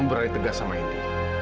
aku berani tegak sama indi